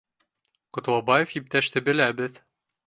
— Ҡотлобаев иптәште беләбеҙ